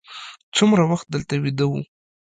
څومره وخت دلته ویده وو.